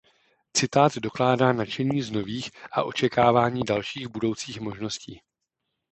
Citát dokládá nadšení z nových a očekávání dalších budoucích možností.